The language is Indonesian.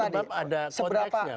ya sebab ada koneksnya